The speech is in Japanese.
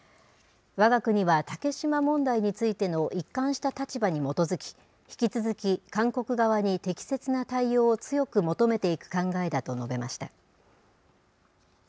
わが国は竹島問題についての一貫した立場に基づき、引き続き、韓国側に適切な対応を強く求めていく考えだと述べました。